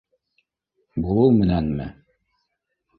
Булыу менәнме?